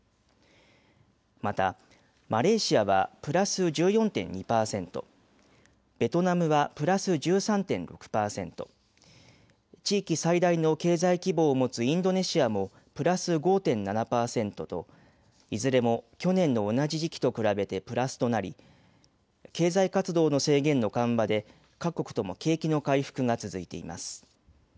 またマレーシアはプラス１４．２％、ベトナムはプラス１３．６％、地域最大の経済規模を持つインドネシアもプラス５．７％といずれも去年の同じ時期と比べてプラスとなり経済活動の制限の緩和で各国とも景気の回復が続いています。